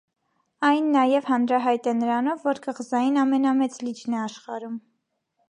Այն նաև հանրահայտ է նրանով, որ կղզային ամենամեծ լիճն է աշխարհում։